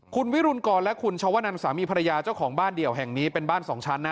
คุณวิรุณกรและคุณชวนันสามีภรรยาเจ้าของบ้านเดี่ยวแห่งนี้เป็นบ้านสองชั้นนะ